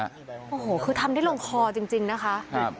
อันนี้ทำได้ลงคลอจริงนะฮะ